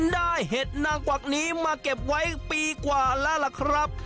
เห็ดนางกวักนี้มาเก็บไว้ปีกว่าแล้วล่ะครับ